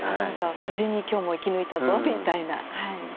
「無事に今日も生き抜いたぞ」みたいな。